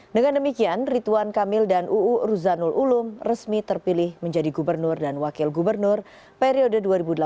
dengan demikian rituan kamil dan uu ruzanul ulum resmi terpilih menjadi gubernur dan wakil gubernur periode dua ribu delapan belas dua ribu dua puluh